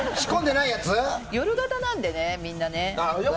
夜型なんでね、みんな。